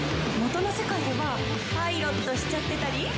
元の世界ではパイロットしちゃってたり？